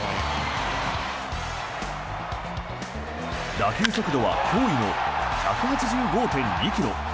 打球速度は驚異の１８５．２ｋｍ。